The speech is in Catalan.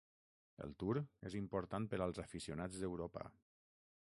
El Tour és important per als aficionats d'Europa.